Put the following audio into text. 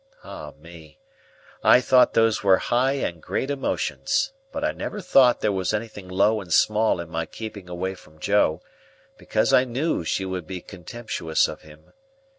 Ah me! I thought those were high and great emotions. But I never thought there was anything low and small in my keeping away from Joe, because I knew she would be contemptuous of him.